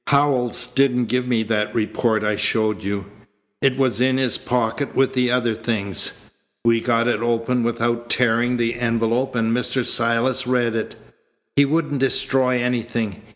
Howells didn't give me that report I showed you. It was in his pocket with the other things. We got it open without tearing the envelope and Mr. Silas read it. He wouldn't destroy anything.